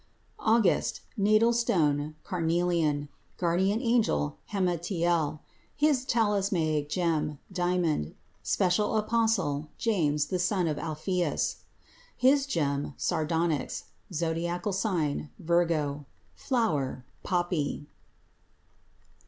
AUGUST Natal stone Carnelian. Guardian angel Hamatiel. His talismanic gem Diamond. Special apostle James, the son of Alpheus. His gem Sardonyx. Zodiacal sign Virgo. Flower Poppy.